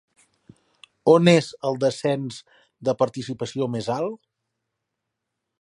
On és el descens de participació més alt?